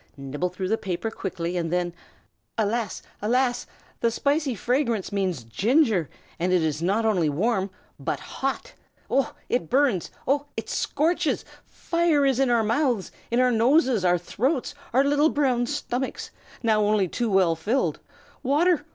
Nibble through the paper quickly, and then Alas! alas! the spicy fragrance means ginger, and it is not only warm, but hot. Oh, it burns! oh, it scorches! fire is in our mouths, in our noses, our throats, our little brown stomachs, now only too well filled. Water!